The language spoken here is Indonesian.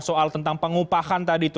soal tentang pengupahan tadi itu